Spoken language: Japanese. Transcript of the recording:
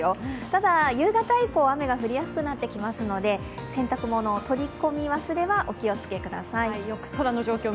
ただ夕方以降雨が降りやすくなってきますので洗濯物、取り込み忘れはお気をつけください。